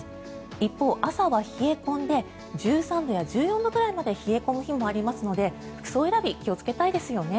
一方、朝は冷え込んで１３度や１４度ぐらいまで冷え込む日もありますので服装選び気をつけたいですよね。